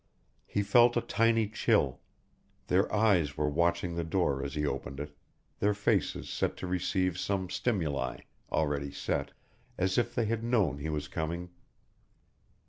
He felt a tiny chill. Their eyes were watching the door as he opened it, their faces set to receive some stimuli already set as if they had known he was coming.